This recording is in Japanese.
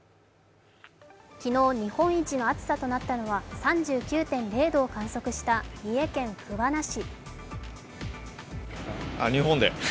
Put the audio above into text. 昨日、日本一の暑さとなったのは３９．０度を観測した三重県桑名市。